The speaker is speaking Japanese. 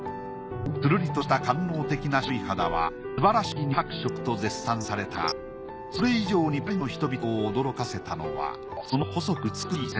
つるりとした官能的な白い肌は素晴らしき乳白色と絶賛されたがそれ以上にパリの人々を驚かせたのはその細く美しい線。